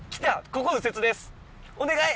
ここ右折できる？